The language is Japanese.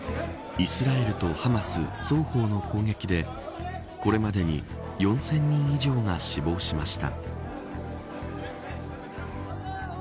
イスラエルとハマス双方の攻撃でこれまでに４０００人以上が死亡しました。